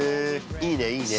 ◆いいねいいね。